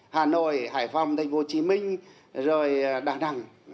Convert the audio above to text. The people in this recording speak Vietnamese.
hà nội hải phòng tp hcm rồi đà nẵng